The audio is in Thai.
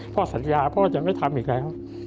พ่อสัญญาพ่อจะไม่ทำอีกแล้ว